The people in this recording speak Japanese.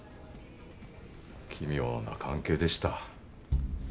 奇妙な関係でした。